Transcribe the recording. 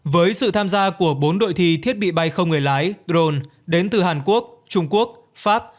với sự tham gia của bốn đội thi thiết bị bay không người lái drone đến từ hàn quốc trung quốc pháp